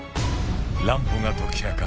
乱歩が解き明かす